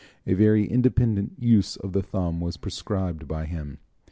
A very independent use of the thumb was prescribed by him.